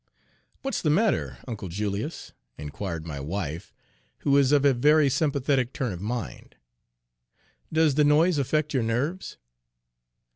"What 's the matter, Uncle Julius?" inquired my wife, who is of a very sympathetic turn of mind. "Does the noise affect your nerves?"